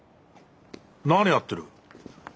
何やってる？